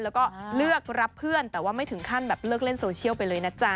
แล้วก็เลือกรับเพื่อนแต่ว่าไม่ถึงขั้นแบบเลิกเล่นโซเชียลไปเลยนะจ๊ะ